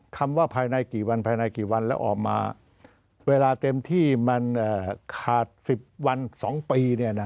คำว่าภายในกี่วันภายในกี่วันแล้วออกมาเวลาเต็มที่มันขาด๑๐วัน๒ปี